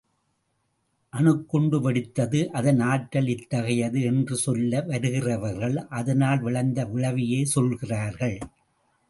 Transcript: அணுகுண்டு வெடித்தது அதன் ஆற்றல் இத்தகையது என்று சொல்ல வருகிறவர்கள் அதனால் விளைந்த விளைவையே சொல்கிறார்கள்.